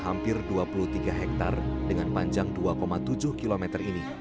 keraton buton yang dibangun di lahan seluas hampir dua puluh tiga hektare dengan panjang dua tujuh km ini